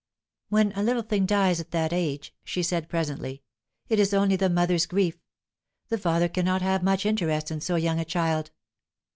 "When a little thing dies at that age," she said presently, "it is only the mother's grief. The father cannot have much interest in so young a child."